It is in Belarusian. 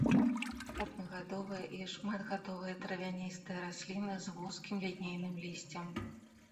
Аднагадовыя і шматгадовыя травяністыя расліны з вузкім лінейным лісцем.